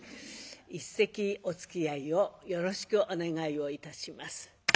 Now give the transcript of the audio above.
一席おつきあいをよろしくお願いをいたします。